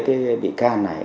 cái bị can này